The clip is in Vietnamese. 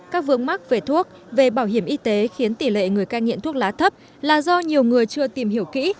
các vướng mắc về thuốc về bảo hiểm y tế khiến tỷ lệ người cai nghiện thuốc lá thấp là do nhiều người chưa tìm hiểu kỹ